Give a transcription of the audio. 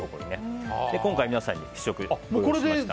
今回、皆さんに試食をご用意しました。